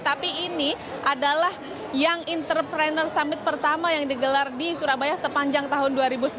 tapi ini adalah young entrepreneur summit pertama yang digelar di surabaya sepanjang tahun dua ribu sembilan belas